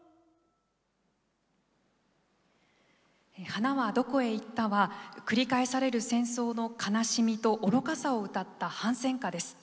「花はどこへ行った」は繰り返される戦争の悲しみと愚かさを歌った反戦歌です。